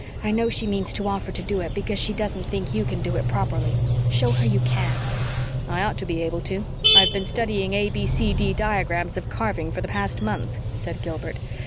I know she means to offer to do it because she doesn't think you can do it properly. Show her you can." "I ought to be able to. I've been studying A B C D diagrams of carving for the past month," said Gilbert.